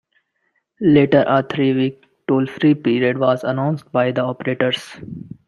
Later a three-week toll-free period was announced by the operators.